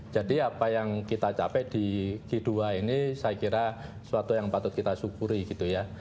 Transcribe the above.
jadi apa yang kita capai di g dua ini saya kira suatu yang patut kita syukuri gitu ya